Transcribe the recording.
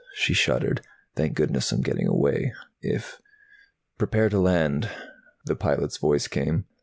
She shuddered. "Thank goodness I'm getting away. If " "Prepare to land!" the pilot's voice came.